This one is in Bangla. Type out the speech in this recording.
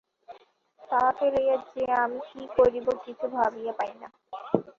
তাহাকে লইয়া যে আমি কি করিব কিছু ভাবিয়া পাই না!